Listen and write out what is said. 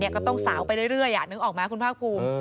ก็ต้องสาวไปเรื่อยอย่างนึกออกมาคุณพ่อครู